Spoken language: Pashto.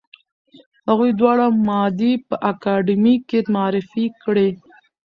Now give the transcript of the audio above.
هغوی دواړه مادې په اکاډمۍ کې معرفي کړې.